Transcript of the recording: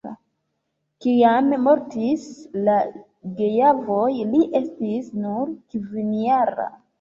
Kiam mortis la geavoj, li estis nur kvinjara.